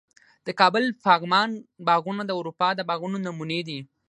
د کابل پغمان باغونه د اروپا د باغونو نمونې دي